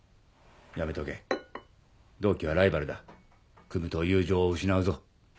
やめとけ同期はライバルだ組むと友情を失うぞ。